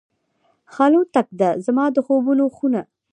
خلوتکده، زما د خوبونو خونه